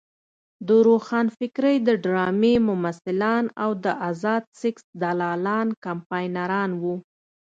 د روښانفکرۍ د ډرامې ممثلان او د ازاد سیکس دلالان کمپاینران وو.